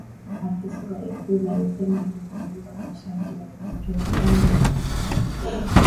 Afisa wa ikulu alisema akizungumza kwa sharti la kutotajwa jina ili aweze kuzungumzia uidhinishaji huo mpya.